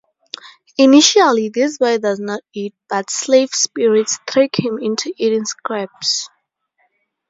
Initially, this boy does not eat, but slave spirits trick him into eating scabs.